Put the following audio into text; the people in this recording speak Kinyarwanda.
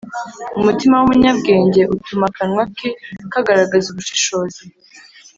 Umutima w umunyabwenge utuma akanwa ke kagaragaza ubushishozi